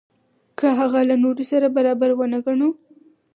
که هغه له نورو سره برابر ونه ګڼو.